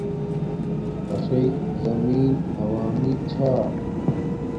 اݽݵ زمین عوامی چھا